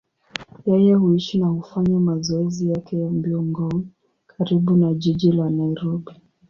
Yeye huishi na hufanya mazoezi yake ya mbio Ngong, karibu na jiji la Nairobi.